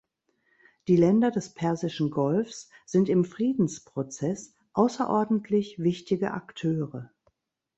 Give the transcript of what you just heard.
Die Länder des Persischen Golfs sind im Friedensprozess außerordentlich wichtige Akteure.